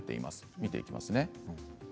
見ていきますね。